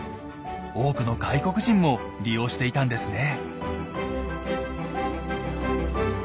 多くの外国人も利用していたんですね。